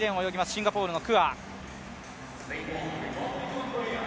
シンガポールのクア。